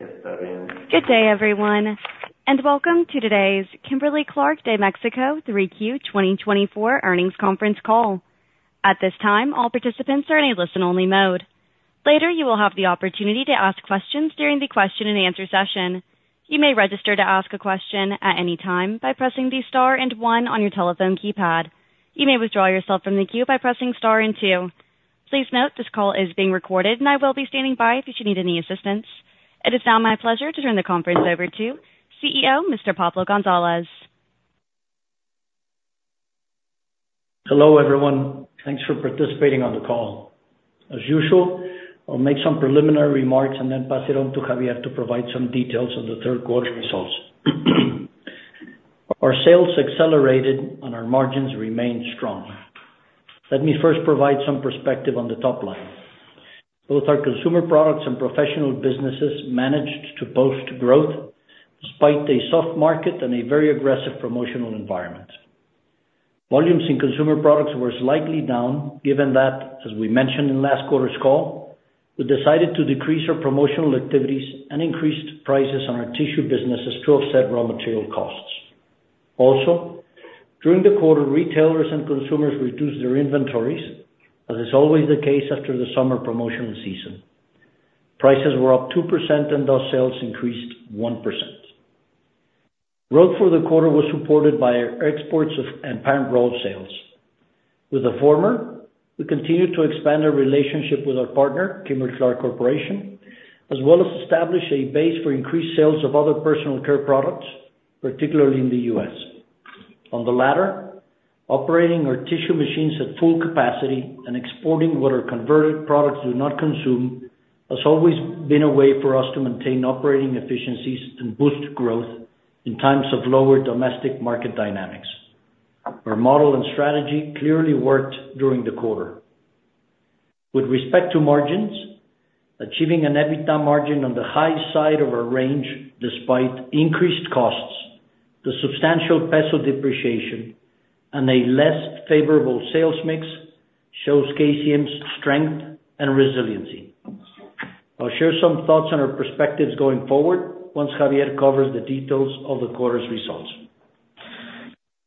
Good day, everyone, and welcome to today's Kimberly-Clark de México 3Q 2024 earnings conference call. At this time, all participants are in a listen-only mode. Later, you will have the opportunity to ask questions during the question and answer session. You may register to ask a question at any time by pressing the star and one on your telephone keypad. You may withdraw yourself from the queue by pressing star and two. Please note, this call is being recorded and I will be standing by if you should need any assistance. It is now my pleasure to turn the conference over to CEO, Mr. Pablo González. Hello, everyone. Thanks for participating on the call. As usual, I'll make some preliminary remarks and then pass it on to Xavier to provide some details on the third quarter results. Our sales accelerated and our margins remained strong. Let me first provide some perspective on the top line. Both our Consumer Products and Professional businesses managed to boost growth, despite a soft market and a very aggressive promotional environment. Volumes in Consumer Products were slightly down, given that, as we mentioned in last quarter's call, we decided to decrease our promotional activities and increased prices on our tissue businesses to offset raw material costs. Also, during the quarter, retailers and consumers reduced their inventories, as is always the case after the summer promotional season. Prices were up 2%, and those sales increased 1%. Growth for the quarter was supported by our exports of parent roll sales. With the former, we continued to expand our relationship with our partner, Kimberly-Clark Corporation, as well as establish a base for increased sales of other personal care products, particularly in the U.S. On the latter, operating our tissue machines at full capacity and exporting what our converted products do not consume, has always been a way for us to maintain operating efficiencies and boost growth in times of lower domestic market dynamics. Our model and strategy clearly worked during the quarter. With respect to margins, achieving an EBITDA margin on the high side of our range, despite increased costs, the substantial peso depreciation, and a less favorable sales mix, shows KCM's strength and resiliency. I'll share some thoughts on our perspectives going forward, once Xavier covers the details of the quarter's results.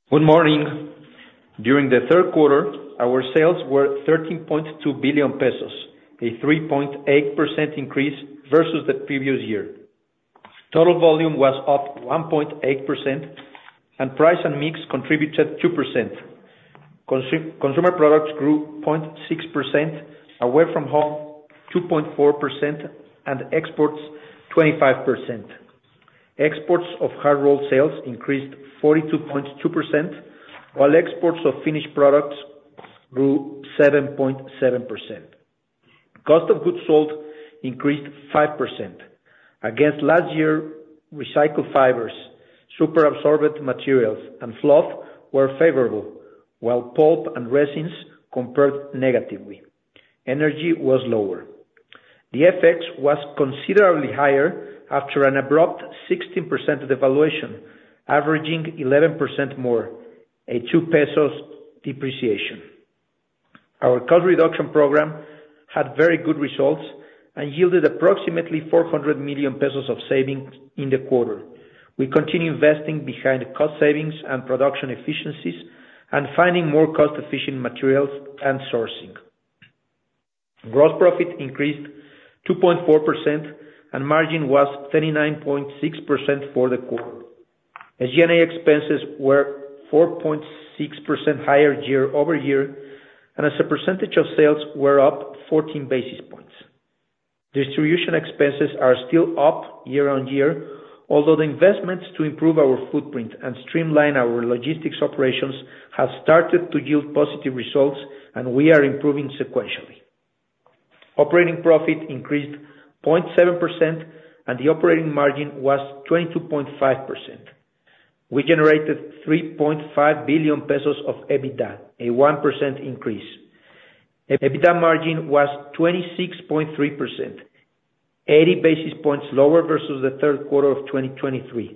Good morning! During the third quarter, our sales were 13.2 billion pesos, a 3.8% increase versus the previous year. Total volume was up 1.8%, and price and mix contributed 2%. Consumer Products grew 0.6%, Away from Home 2.4%, and exports 25%. Exports of parent rolls sales increased 42.2%, while exports of finished products grew 7.7%. Cost of goods sold increased 5%. Against last year, recycled fibers, super absorbent materials, and fluff were favorable, while pulp and resins compared negatively. Energy was lower. The FX was considerably higher after an abrupt 16% devaluation, averaging 11% more, a 2 pesos depreciation. Our cost reduction program had very good results and yielded approximately 400 million pesos of savings in the quarter. We continue investing behind cost savings and production efficiencies and finding more cost-efficient materials and sourcing. Gross profit increased 2.4%, and margin was 39.6% for the quarter. SG&A expenses were 4.6% higher year-over-year, and as a percentage of sales were up 14 basis points. Distribution expenses are still up year-on-year, although the investments to improve our footprint and streamline our logistics operations have started to yield positive results, and we are improving sequentially. Operating profit increased 0.7%, and the operating margin was 22.5%. We generated 3.5 billion pesos of EBITDA, a 1% increase. EBITDA margin was 26.3%, 80 basis points lower versus the third quarter of 2023.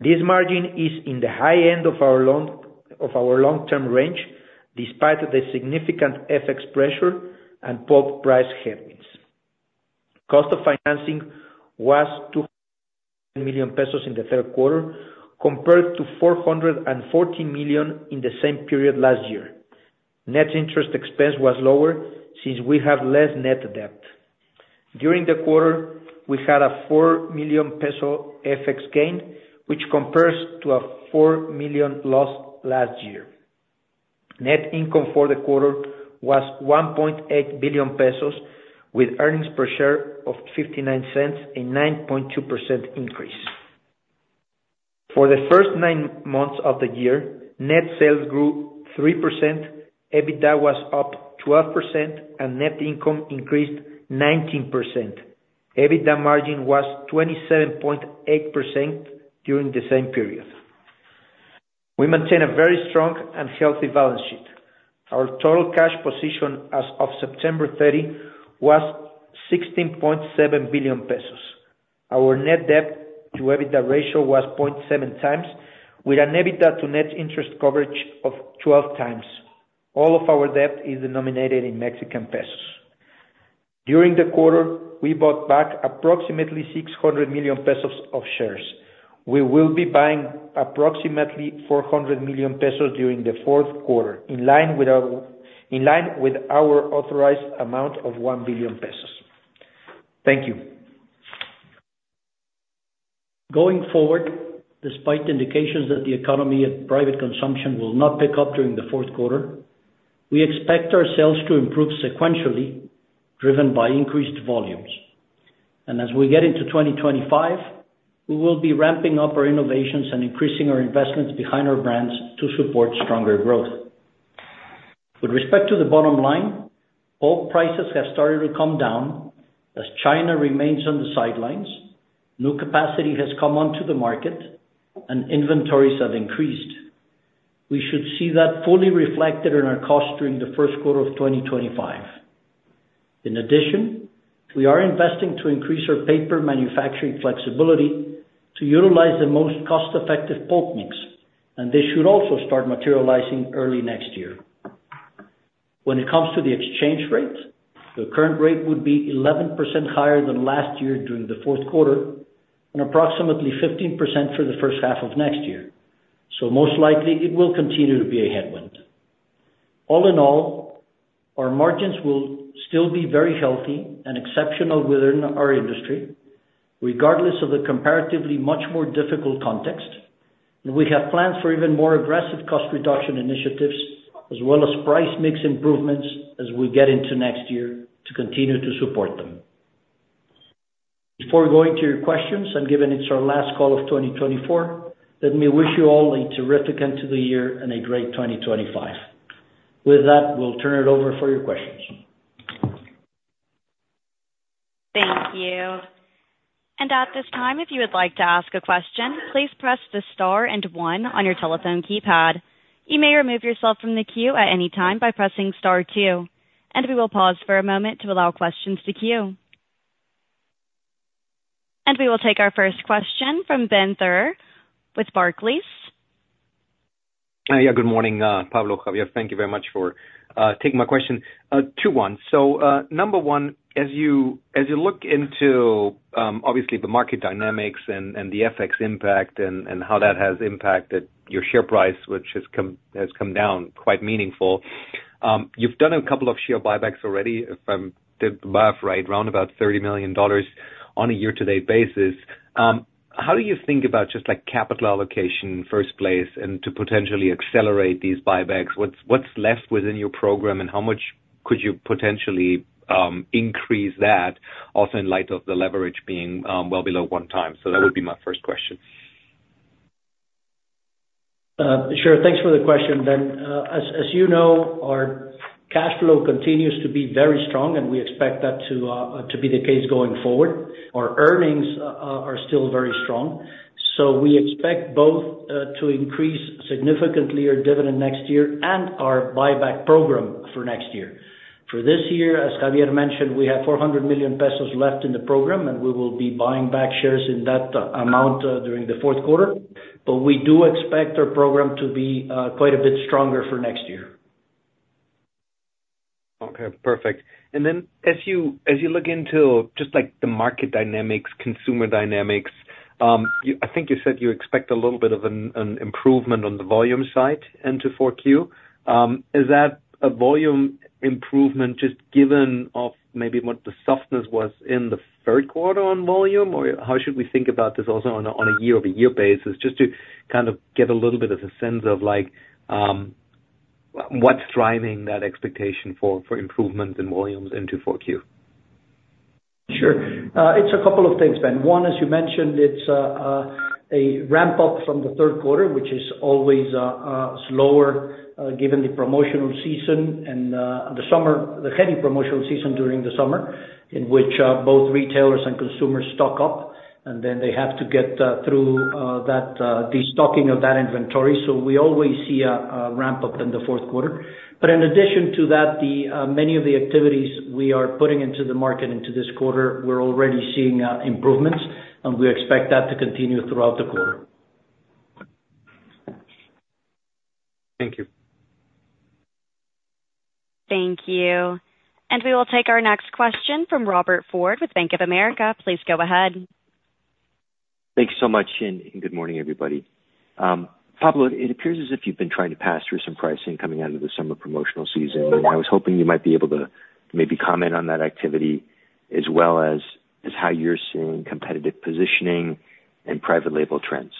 This margin is in the high end of our long-term range, despite the significant FX pressure and pulp price headwinds. Cost of financing was 2 million pesos in the third quarter, compared to 440 million in the same period last year. Net interest expense was lower, since we have less net debt. During the quarter, we had a 4 million peso FX gain, which compares to a 4 million loss last year. Net income for the quarter was 1.8 billion pesos, with earnings per share of 0.59, a 9.2% increase. For the first nine months of the year, net sales grew 3%, EBITDA was up 12%, and net income increased 19%. EBITDA margin was 27.8% during the same period. We maintain a very strong and healthy balance sheet. Our total cash position as of September 30 was 16.7 billion pesos. Our net debt to EBITDA ratio was 0.7x, with an EBITDA to net interest coverage of 12x. All of our debt is denominated in Mexican pesos. During the quarter, we bought back approximately 600 million pesos of shares. We will be buying approximately 400 million pesos during the fourth quarter, in line with our authorized amount of 1 billion pesos. Thank you. Going forward, despite indications that the economy and private consumption will not pick up during the fourth quarter, we expect our sales to improve sequentially, driven by increased volumes. And as we get into 2025, we will be ramping up our innovations and increasing our investments behind our brands to support stronger growth. With respect to the bottom line, pulp prices have started to come down as China remains on the sidelines, new capacity has come onto the market, and inventories have increased. We should see that fully reflected in our costs during the first quarter of 2025. In addition, we are investing to increase our paper manufacturing flexibility to utilize the most cost-effective pulp mix, and this should also start materializing early next year. When it comes to the exchange rate, the current rate would be 11% higher than last year during the fourth quarter and approximately 15% for the first half of next year. So most likely it will continue to be a headwind. All in all, our margins will still be very healthy and exceptional within our industry, regardless of the comparatively much more difficult context, and we have plans for even more aggressive cost reduction initiatives, as well as price mix improvements as we get into next year to continue to support them. Before going to your questions, and given it's our last call of 2024, let me wish you all a terrific end to the year and a great 2025. With that, we'll turn it over for your questions. Thank you. And at this time, if you would like to ask a question, please press the star and one on your telephone keypad. You may remove yourself from the queue at any time by pressing star two, and we will pause for a moment to allow questions to queue. And we will take our first question from Ben Theurer with Barclays. Yeah, good morning, Pablo, Xavier. Thank you very much for taking my question. Two, one. So, number one, as you look into obviously the market dynamics and the FX impact and how that has impacted your share price, which has come down quite meaningful. You've done a couple of share buybacks already, if I did the math right, round about $30 million on a year-to-date basis. How do you think about just, like, capital allocation in first place and to potentially accelerate these buybacks? What's left within your program, and how much could you potentially increase that also in light of the leverage being well below one time? So that would be my first question. Sure. Thanks for the question, Ben. As you know, our cash flow continues to be very strong, and we expect that to be the case going forward. Our earnings are still very strong, so we expect both to increase significantly our dividend next year and our buyback program for next year. For this year, as Xavier mentioned, we have 400 million pesos left in the program, and we will be buying back shares in that amount during the fourth quarter. But we do expect our program to be quite a bit stronger for next year. Okay, perfect. And then as you look into just, like, the market dynamics, consumer dynamics, I think you said you expect a little bit of an improvement on the volume side into 4Q. Is that a volume improvement just given of maybe what the softness was in the third quarter on volume? Or how should we think about this also on a year-over-year basis? Just to kind of get a little bit of a sense of, like, what's driving that expectation for improvement in volumes into 4Q. Sure. It's a couple of things, Ben. One, as you mentioned, it's a ramp-up from the third quarter, which is always slower, given the promotional season and the summer, the heavy promotional season during the summer, in which both retailers and consumers stock up, and then they have to get through that, the stocking of that inventory. So we always see a ramp-up in the fourth quarter. But in addition to that, many of the activities we are putting into the market into this quarter, we're already seeing improvements, and we expect that to continue throughout the quarter. Thank you. Thank you. And we will take our next question from Robert Ford with Bank of America. Please go ahead. Thanks so much, and good morning, everybody. Pablo, it appears as if you've been trying to pass through some pricing coming out of the summer promotional season, and I was hoping you might be able to maybe comment on that activity as well as how you're seeing competitive positioning and private label trends.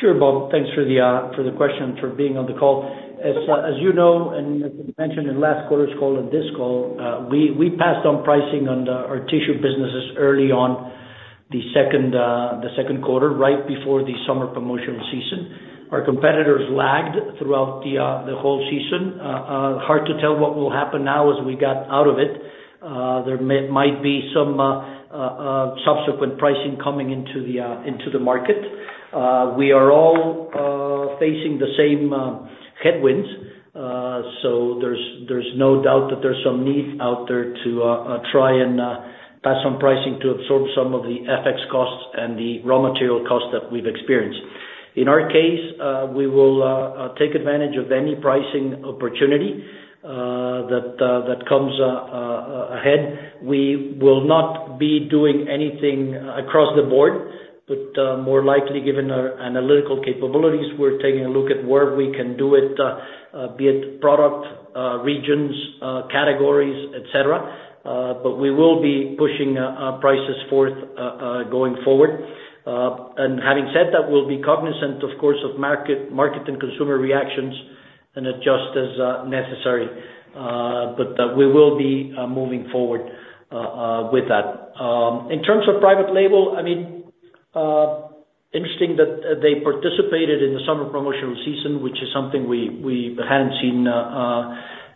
Sure, Bob. Thanks for the question, for being on the call. As you know, and as we mentioned in last quarter's call and this call, we passed on pricing on our tissue businesses early on the second quarter, right before the summer promotional season. Our competitors lagged throughout the whole season. Hard to tell what will happen now as we got out of it. There might be some subsequent pricing coming into the market. We are all facing the same headwinds. There's no doubt that there's some need out there to try and pass some pricing to absorb some of the FX costs and the raw material costs that we've experienced. In our case, we will take advantage of any pricing opportunity that comes ahead. We will not be doing anything across the board, but more likely, given our analytical capabilities, we're taking a look at where we can do it, be it product, regions, categories, et cetera, but we will be pushing prices forth going forward. And having said that, we'll be cognizant, of course, of market and consumer reactions and adjust as necessary, but we will be moving forward with that. In terms of private label, I mean, interesting that they participated in the summer promotional season, which is something we hadn't seen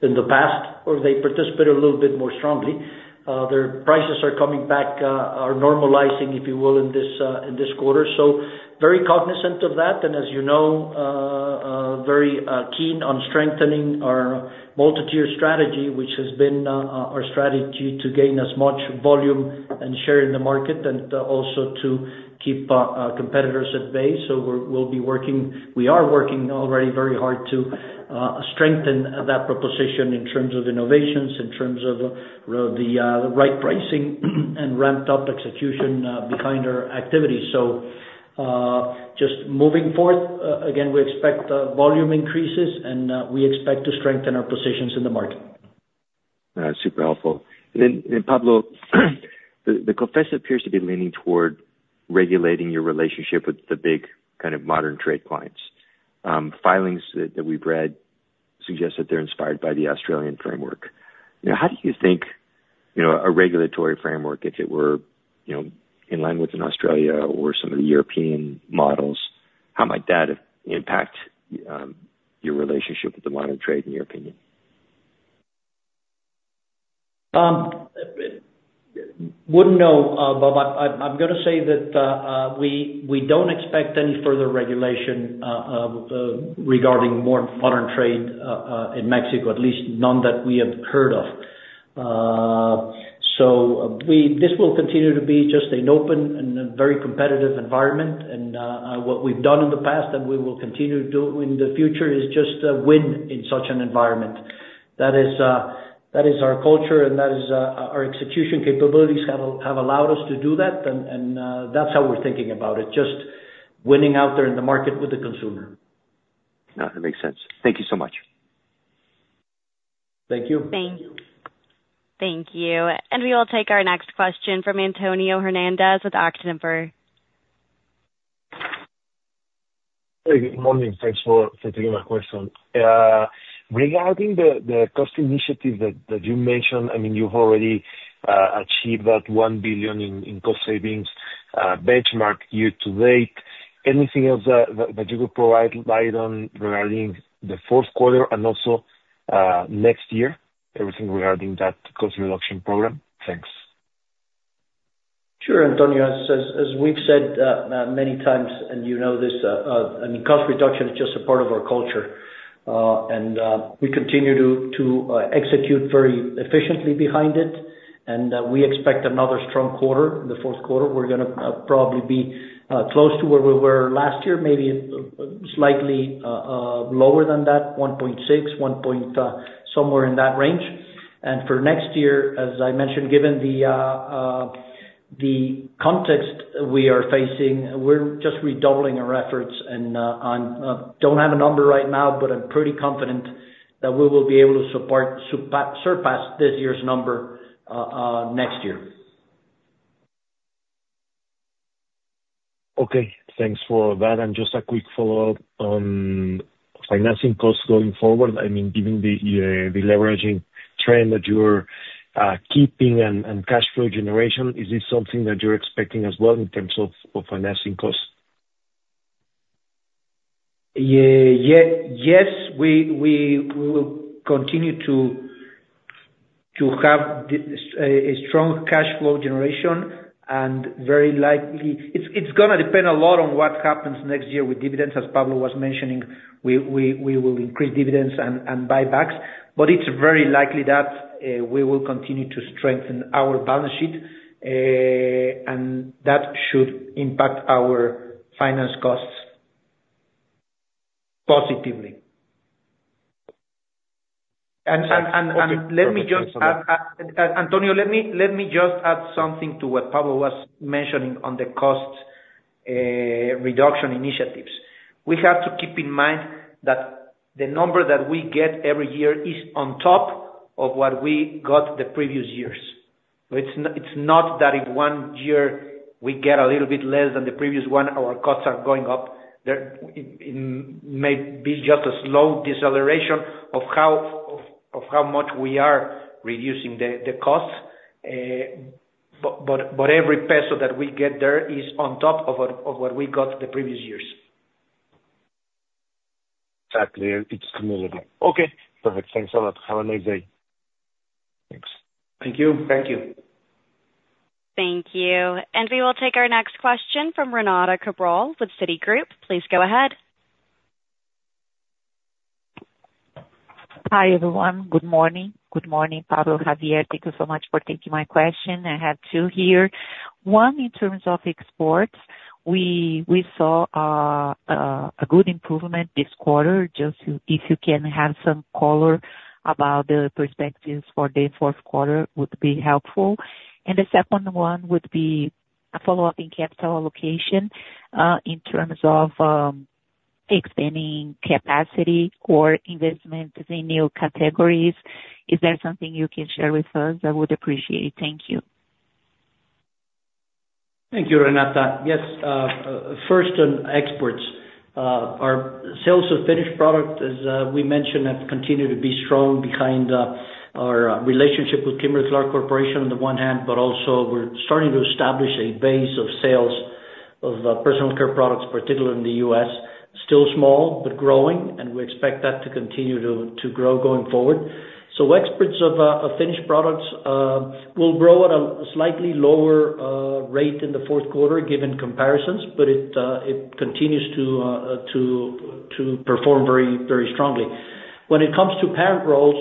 in the past, or they participated a little bit more strongly. Their prices are coming back, are normalizing, if you will, in this quarter. So very cognizant of that, and as you know, very keen on strengthening our multi-tier strategy, which has been our strategy to gain as much volume and share in the market and also to keep competitors at bay. So we are working already very hard to strengthen that proposition in terms of innovations, in terms of the right pricing, and ramped up execution behind our activities. So just moving forth, again, we expect volume increases, and we expect to strengthen our positions in the market. Super helpful. And then, and Pablo, the COFECE appears to be leaning toward regulating your relationship with the big kind of modern trade clients. Filings that we've read suggest that they're inspired by the Australian framework. You know, how do you think, you know, a regulatory framework, if it were, you know, in line with in Australia or some of the European models, how might that impact, your relationship with the modern trade, in your opinion? I wouldn't know, but I'm gonna say that we don't expect any further regulation regarding more modern trade in Mexico, at least none that we have heard of. So this will continue to be just an open and a very competitive environment, and what we've done in the past, and we will continue to do in the future, is just win in such an environment. That is our culture, and that is our execution capabilities have allowed us to do that. That's how we're thinking about it, just winning out there in the market with the consumer. No, that makes sense. Thank you so much. Thank you. Thank you, and we will take our next question from Antonio Hernández with Actinver. Hey, good morning. Thanks for taking my question. Regarding the cost initiative that you mentioned, I mean, you've already achieved that 1 billion in cost savings benchmark year to date. Anything else that you could provide light on regarding the fourth quarter and also next year, everything regarding that cost reduction program? Thanks. Sure, Antonio. As we've said many times, and you know this, I mean, cost reduction is just a part of our culture. And we continue to execute very efficiently behind it, and we expect another strong quarter in the fourth quarter. We're gonna probably be close to where we were last year, maybe slightly lower than that, 1.6, one point, somewhere in that range. And for next year, as I mentioned, given the the context we are facing, we're just redoubling our efforts. And I'm don't have a number right now, but I'm pretty confident that we will be able to surpass this year's number next year. Okay, thanks for that, and just a quick follow-up on financing costs going forward. I mean, given the leveraging trend that you're keeping and cash flow generation, is this something that you're expecting as well in terms of financing costs? Yeah, yes, we will continue to have a strong cashflow generation, and very likely. It's gonna depend a lot on what happens next year with dividends. As Pablo was mentioning, we will increase dividends and buybacks, but it's very likely that we will continue to strengthen our balance sheet, and that should impact our finance costs positively. And let me just add something to what Pablo was mentioning on the cost reduction initiatives. We have to keep in mind that the number that we get every year is on top of what we got the previous years. So it's not that in one year we get a little bit less than the previous one, our costs are going up. It may be just a slow deceleration of how much we are reducing the costs, but every peso that we get there is on top of what we got the previous years. Exactly. It's cumulative. Okay, perfect. Thanks a lot. Have a nice day. Thank you. Thank you. Thank you. And we will take our next question from Renata Cabral with Citigroup. Please go ahead. Hi, everyone. Good morning. Good morning, Pablo, Xavier. Thank you so much for taking my question. I have two here. One, in terms of exports, we saw a good improvement this quarter. Just if you can have some color about the perspectives for the fourth quarter would be helpful. And the second one would be a follow-up in capital allocation, in terms of expanding capacity or investment in new categories. Is there something you can share with us? I would appreciate it. Thank you. Thank you, Renata. Yes, first on exports. Our sales of finished product, as we mentioned, have continued to be strong behind our relationship with Kimberly-Clark Corporation on the one hand, but also we're starting to establish a base of sales of personal care products, particularly in the U.S. Still small, but growing, and we expect that to continue to grow going forward. So exports of finished products will grow at a slightly lower rate in the fourth quarter, given comparisons, but it continues to perform very, very strongly. When it comes to parent rolls,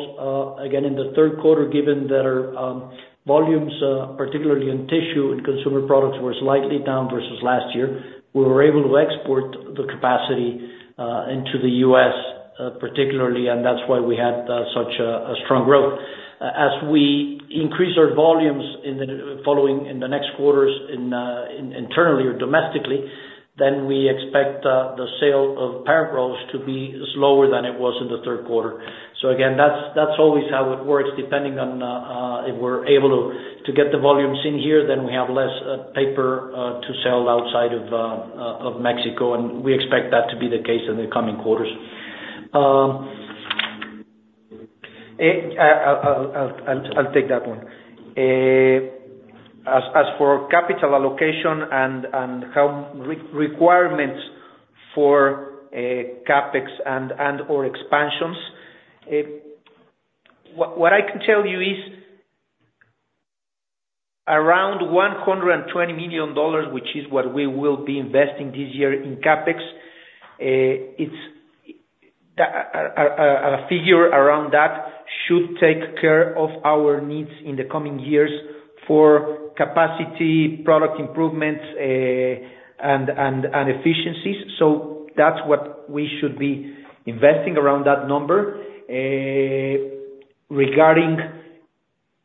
again, in the third quarter, given that our volumes, particularly in tissue and Consumer Products, were slightly down versus last year, we were able to export the capacity into the U.S., particularly, and that's why we had such a strong growth. As we increase our volumes in the following, in the next quarters, in internally or domestically, then we expect the sale of parent rolls to be slower than it was in the third quarter. So again, that's always how it works, depending on if we're able to get the volumes in here, then we have less paper to sell outside of Mexico, and we expect that to be the case in the coming quarters. I'll take that one. As for capital allocation and how requirements for CapEx and/or expansions, what I can tell you is around $120 million, which is what we will be investing this year in CapEx. It's a figure around that should take care of our needs in the coming years for capacity, product improvements, and efficiencies. So that's what we should be investing around that number. Regarding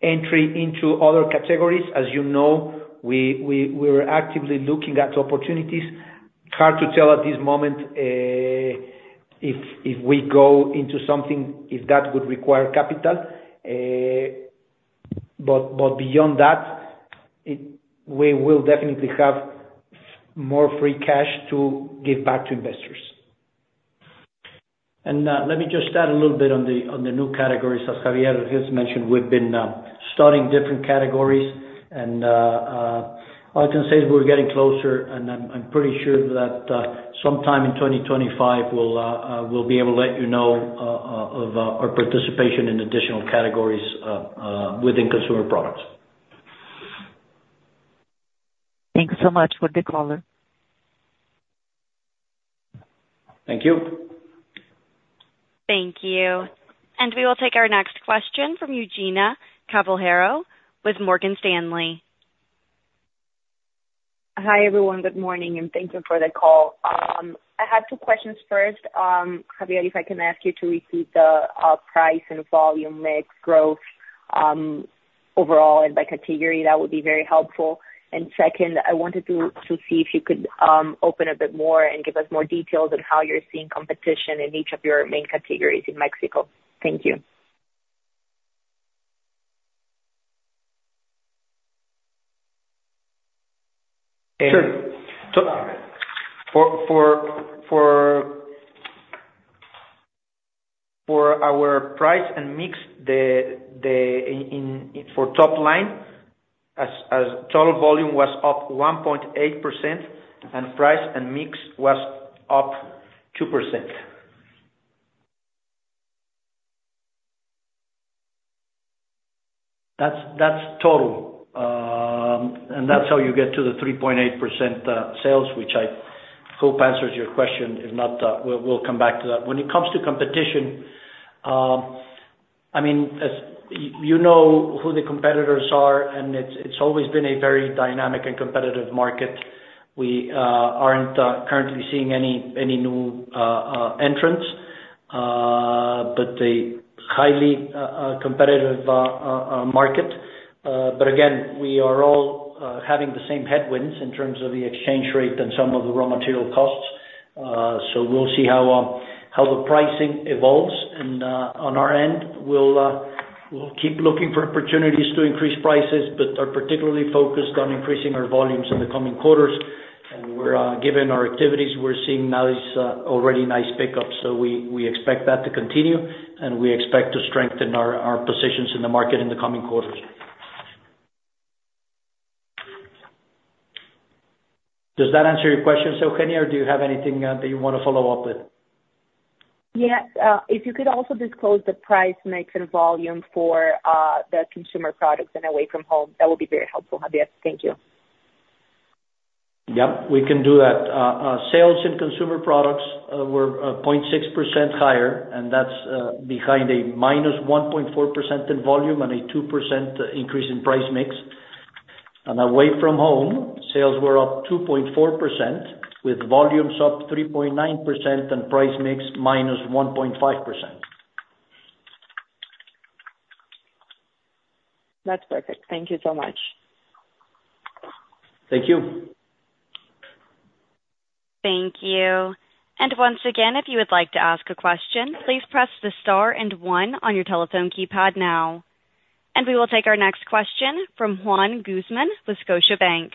entry into other categories, as you know, we're actively looking at opportunities. Hard to tell at this moment if we go into something if that would require capital. But beyond that, we will definitely have more free cash to give back to investors. Let me just add a little bit on the new categories. As Xavier just mentioned, we've been studying different categories, and all I can say is we're getting closer, and I'm pretty sure that sometime in 2025, we'll be able to let you know of our participation in additional categories within Consumer Products. Thanks so much for the color. Thank you. Thank you. And we will take our next question from Eugenia Caballero with Morgan Stanley. Hi, everyone. Good morning, and thank you for the call. I had two questions. First, Xavier, if I can ask you to repeat the price and volume mix growth overall and by category, that would be very helpful. And second, I wanted to see if you could open a bit more and give us more details on how you're seeing competition in each of your main categories in Mexico. Thank you. Sure. So for our price and mix, for top line, total volume was up 1.8%, and price and mix was up 2%. That's, that's total, and that's how you get to the 3.8% sales, which I hope answers your question. If not, we'll, we'll come back to that. When it comes to competition, I mean, as you, you know who the competitors are, and it's, it's always been a very dynamic and competitive market. We aren't currently seeing any, any new entrants, but a highly competitive market. But again, we are all having the same headwinds in terms of the exchange rate and some of the raw material costs. So we'll see how the pricing evolves, and on our end, we'll, we'll keep looking for opportunities to increase prices, but are particularly focused on increasing our volumes in the coming quarters. And we're given our activities. We're seeing now this already nice pickup, so we expect that to continue, and we expect to strengthen our positions in the market in the coming quarters. Does that answer your question, Eugenia, or do you have anything that you want to follow up with? Yes. If you could also disclose the price mix and volume for the Consumer Products and Away from Home, that would be very helpful, Xavier. Thank you. Yep, we can do that. Sales and Consumer Products were 0.6% higher, and that's behind a -1.4% in volume and a 2% increase in price mix, and Away from Home sales were up 2.4% with volumes up 3.9% and price mix -1.5%. That's perfect. Thank you so much. Thank you. Thank you. And once again, if you would like to ask a question, please press the star and one on your telephone keypad now. And we will take our next question from Juan Guzmán with Scotiabank.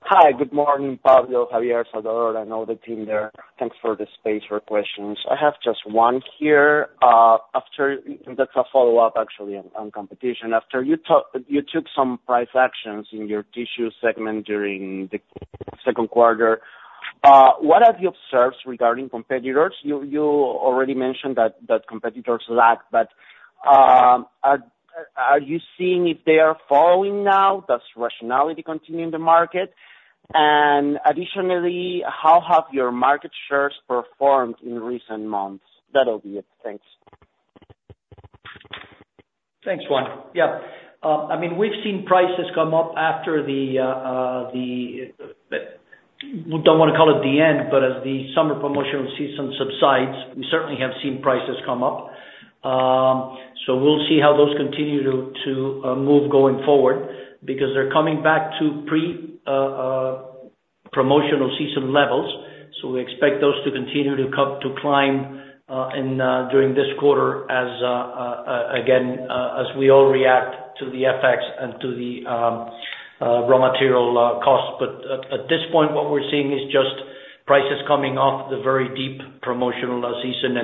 Hi, good morning, Pablo, Xavier, Isidoro, and all the team there. Thanks for the space for questions. I have just one here. That's a follow-up, actually, on competition. After you took some price actions in your tissue segment during the second quarter, what have you observed regarding competitors? You already mentioned that competitors lack, but are you seeing if they are following now? Does rationality continue in the market? And additionally, how have your market shares performed in recent months? That'll be it. Thanks. Thanks, Juan. Yeah. I mean, we've seen prices come up after the, we don't wanna call it the end, but as the summer promotional season subsides, we certainly have seen prices come up. So we'll see how those continue to move going forward because they're coming back to pre-promotional season levels. So we expect those to continue to climb during this quarter as again as we all react to the FX and to the raw material costs. But at this point, what we're seeing is just prices coming off the very deep promotional season.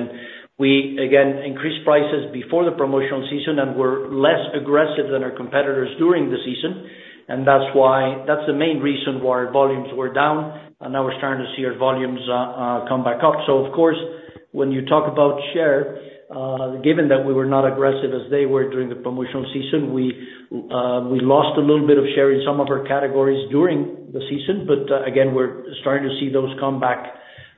We, again, increased prices before the promotional season, and we're less aggressive than our competitors during the season, and that's why, that's the main reason why our volumes were down, and now we're starting to see our volumes come back up. So of course, when you talk about share, given that we were not aggressive as they were during the promotional season, we lost a little bit of share in some of our categories during the season, but, again, we're starting to see those come back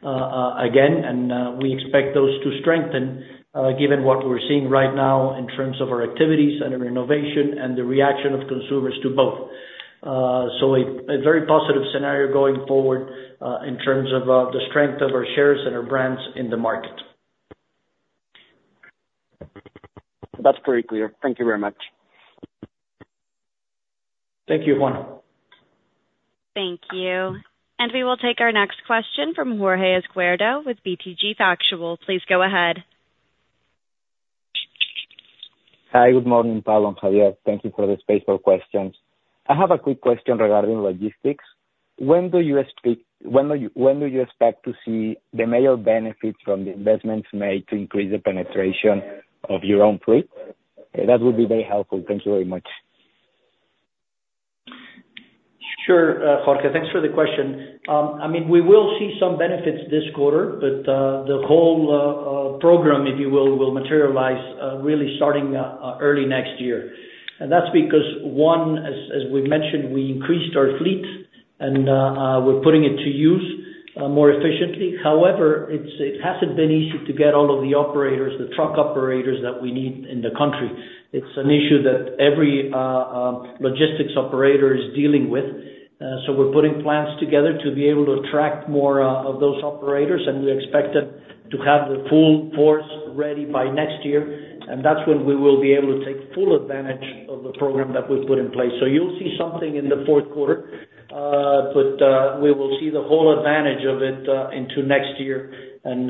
again, and we expect those to strengthen, given what we're seeing right now in terms of our activities and our innovation and the reaction of consumers to both. So a very positive scenario going forward, in terms of the strength of our shares and our brands in the market. That's very clear. Thank you very much. Thank you, Juan. Thank you. And we will take our next question from Jorge Izquierdo with BTG Pactual. Please go ahead. Hi, good morning, Pablo and Xavier. Thank you for the space for questions. I have a quick question regarding logistics. When do you expect to see the major benefits from the investments made to increase the penetration of your own fleet? That would be very helpful. Thank you very much. Sure, Jorge, thanks for the question. I mean, we will see some benefits this quarter, but the whole program, if you will, will materialize really starting early next year. And that's because, one, as we've mentioned, we increased our fleet and we're putting it to use more efficiently. However, it hasn't been easy to get all of the operators, the truck operators that we need in the country. It's an issue that every logistics operator is dealing with. So we're putting plans together to be able to attract more of those operators, and we expect them to have the full force ready by next year, and that's when we will be able to take full advantage of the program that we've put in place. So you'll see something in the fourth quarter, but we will see the whole advantage of it into next year. And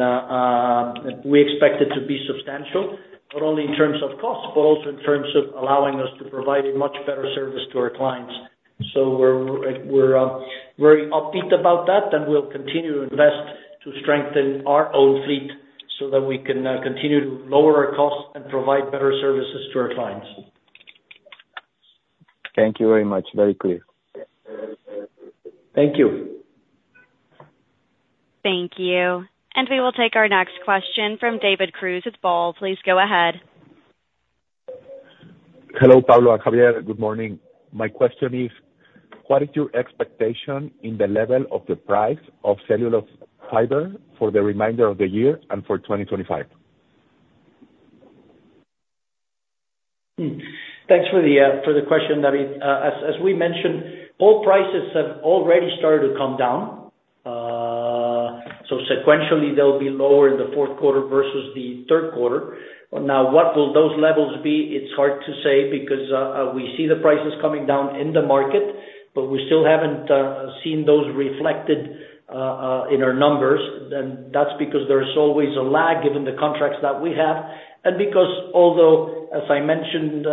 we expect it to be substantial, not only in terms of cost, but also in terms of allowing us to provide a much better service to our clients. So we're very upbeat about that, and we'll continue to invest to strengthen our own fleet so that we can continue to lower our costs and provide better services to our clients. Thank you very much. Very clear. Thank you. Thank you. And we will take our next question from David Cruz with GBM. Please go ahead. Hello, Pablo and Xavier. Good morning. My question is, what is your expectation in the level of the price of cellulose fiber for the remainder of the year and for 2025? Thanks for the question, David. As we mentioned, all prices have already started to come down. So sequentially, they'll be lower in the fourth quarter versus the third quarter. Now, what will those levels be? It's hard to say, because we see the prices coming down in the market, but we still haven't seen those reflected in our numbers, and that's because there is always a lag given the contracts that we have, and because although, as I mentioned,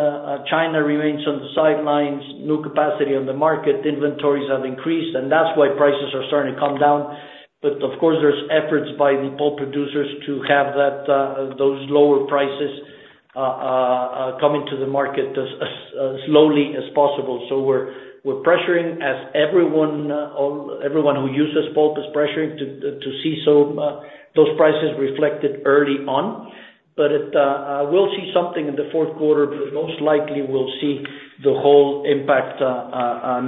China remains on the sidelines, new capacity on the market, inventories have increased, and that's why prices are starting to come down, but of course, there's efforts by the pulp producers to have that, those lower prices coming to the market as slowly as possible. So we're pressuring, as everyone who uses pulp is pressuring to see those prices reflected early on. But we'll see something in the fourth quarter, but most likely we'll see the whole impact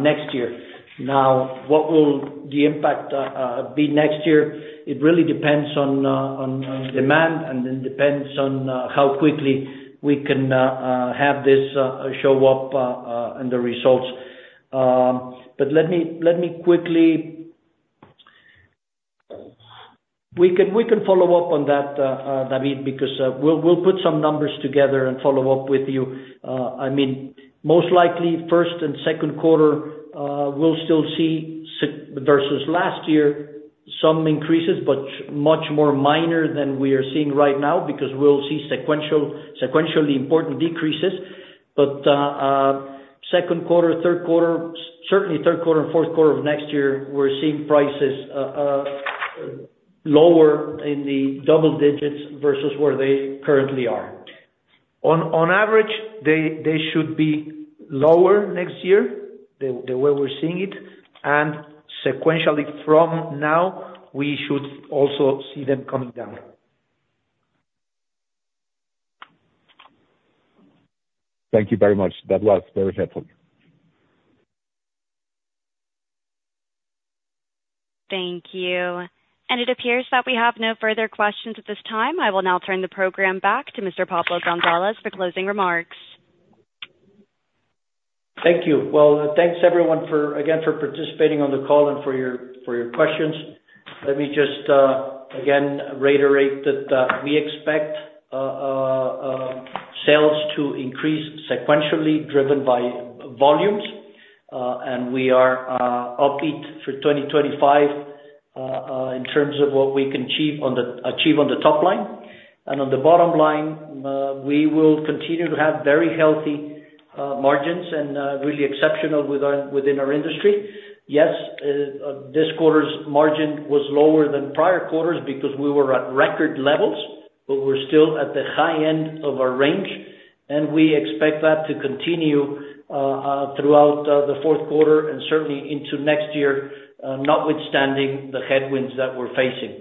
next year. Now, what will the impact be next year? It really depends on demand, and it depends on how quickly we can have this show up in the results. But let me quickly... We can follow up on that, David, because we'll put some numbers together and follow up with you. I mean, most likely, first and second quarter, we'll still see versus last year, some increases, but much more minor than we are seeing right now, because we'll see sequentially important decreases, but second quarter, third quarter, certainly third quarter and fourth quarter of next year, we're seeing prices lower in the double digits versus where they currently are. On average, they should be lower next year, the way we're seeing it, and sequentially from now, we should also see them coming down. Thank you very much. That was very helpful. Thank you. And it appears that we have no further questions at this time. I will now turn the program back to Mr. Pablo González for closing remarks. Thank you. Well, thanks, everyone, for again for participating on the call and for your questions. Let me just again reiterate that we expect sales to increase sequentially, driven by volumes. And we are upbeat for 2025 in terms of what we can achieve on the top line. And on the bottom line we will continue to have very healthy margins and really exceptional within our industry. Yes, this quarter's margin was lower than prior quarters because we were at record levels, but we're still at the high end of our range, and we expect that to continue throughout the fourth quarter and certainly into next year notwithstanding the headwinds that we're facing.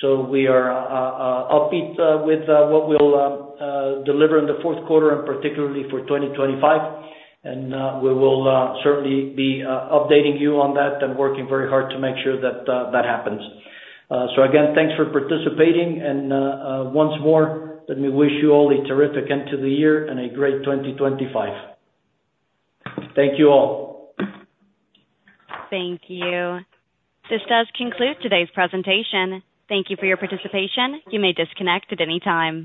So we are upbeat with what we'll deliver in the fourth quarter and particularly for 2025. And we will certainly be updating you on that and working very hard to make sure that that happens. So again, thanks for participating. And once more, let me wish you all a terrific end to the year and a great 2025. Thank you all. Thank you. This does conclude today's presentation. Thank you for your participation. You may disconnect at any time.